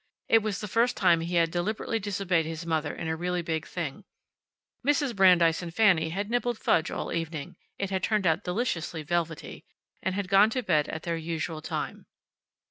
It was the first time he had deliberately disobeyed his mother in a really big thing. Mrs. Brandeis and Fanny had nibbled fudge all evening (it had turned out deliciously velvety) and had gone to bed at their usual time.